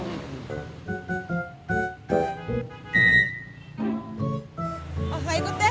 habis olha sedikit sendiri